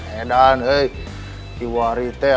eh saya sudah kek calon gath lee di luar belakang